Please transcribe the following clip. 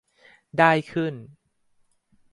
ได้ขึ้น